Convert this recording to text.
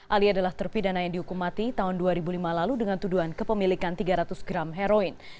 ali adalah terpidana yang dihukum mati tahun dua ribu lima lalu dengan tuduhan kepemilikan tiga ratus gram heroin